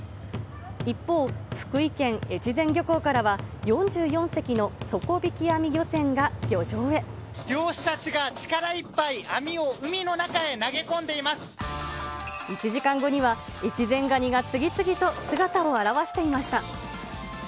一方、福井県越前漁港からは、漁師たちが力いっぱい網を海１時間後には、越前ガニが次々と姿を現していました。